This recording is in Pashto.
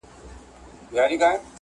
نور به نه کوم ګیلې له توره بخته،